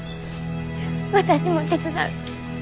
私も手伝う。